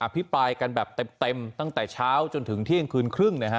พิปรายกันแบบเต็มตั้งแต่เช้าจนถึงเที่ยงคืนครึ่งนะฮะ